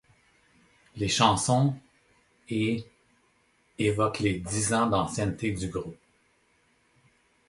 Les chansons ',' et ' évoquent les dix ans d’ancienneté du groupe.